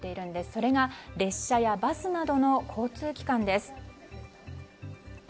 それが列車やバスなどの交通機関です。